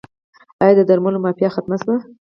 آیا د درملو مافیا ختمه شوه؟